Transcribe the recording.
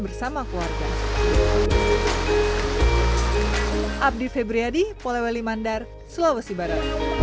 berikan bersama keluarga